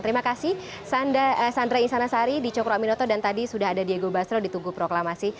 terima kasih sandra insanasari di cokro aminoto dan tadi sudah ada diego basro di tugu proklamasi